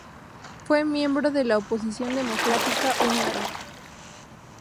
Fue miembro de la oposición democrática húngara.